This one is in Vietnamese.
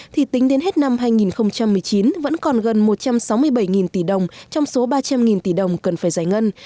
thì tính đến hết năm hai nghìn một mươi chín vẫn còn gần một trăm sáu mươi bảy tỷ đồng trong số ba trăm linh tỷ đồng cần phải giải ngân